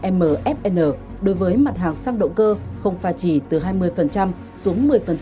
mfn đối với mặt hàng xăng động cơ không pha chỉ từ hai mươi xuống một mươi